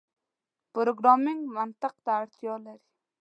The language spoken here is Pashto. پروګرامنګ منطق ته اړتیا لري.